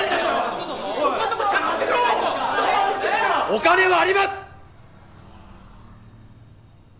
お金はあります！